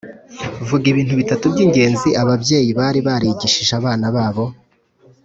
Vuga ibintu bitatu by’ingenzi ababyeyi bari barigishije abana babo?